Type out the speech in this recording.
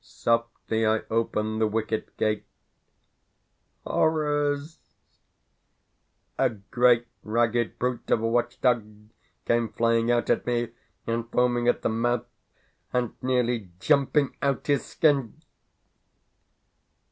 Softly I opened the wicket gate. Horrors! A great ragged brute of a watch dog came flying out at me, and foaming at the mouth, and nearly jumping out his skin!